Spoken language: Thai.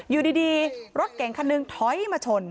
อยู่ดีรถเก่งคันหนึ่งถอยมาชน